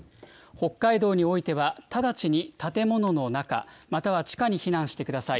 北海道においては、直ちに建物の中、または地下に避難してください。